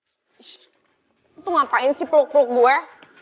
lo tuh ngapain sih peluk peluk gue